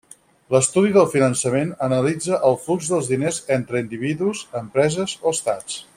L'estudi del finançament analitza el flux dels diners entre individus, empreses o Estats.